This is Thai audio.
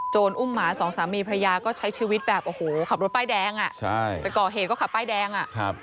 โจรอุ้มหาสองสามีพระยาก็ใช้ชีวิตแบบขับรถป้ายแดงไปเกาะเหตุก็ขับป้ายแดง